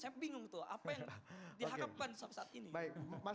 saya bingung gitu loh apa yang diharapkan sampai saat ini